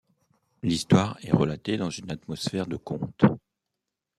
L'histoire est relatée dans une atmosphère de conte.